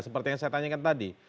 seperti yang saya tanyakan tadi